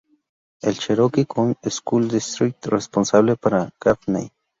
El Cherokee County School District es responsable para Gaffney.